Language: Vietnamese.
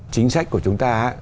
chính sách của chúng ta